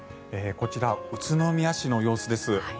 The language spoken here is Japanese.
こちら、宇都宮市の様子です。